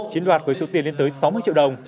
chiếm đoạt với số tiền lên tới sáu mươi triệu đồng